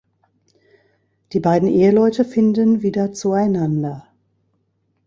Die beiden Eheleute finden wieder zueinander.